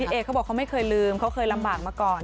เอกเขาบอกเขาไม่เคยลืมเขาเคยลำบากมาก่อน